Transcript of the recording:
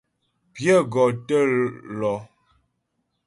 Pyə gɔ tə́ lɔ.